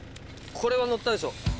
これはのったでしょ！